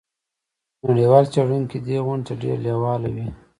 نړیوال څیړونکي دې غونډې ته ډیر لیواله وي.